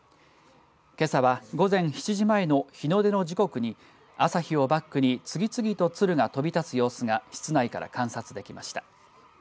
けさは午前７時前の日の出の時刻に朝日をバックに次々と鶴が飛び立つ様子が室内から観察できました。